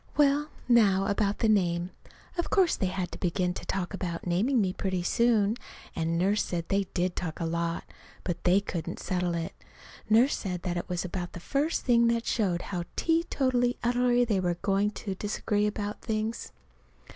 Well, now, about the name. Of course they had to begin to talk about naming me pretty soon; and Nurse said they did talk a lot. But they couldn't settle it. Nurse said that that was about the first thing that showed how teetotally utterly they were going to disagree about things.